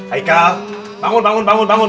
aikal bangun bangun bangun bangun